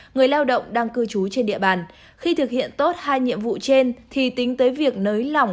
người lao động đang cư trú trên địa bàn